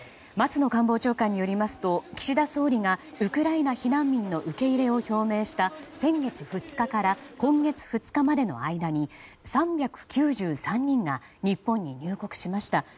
松野官房長官によりますと岸田総理がウクライナ避難民の受け入れを表明した先月２日から今月２日までの間に３９３人が日本に入国しました。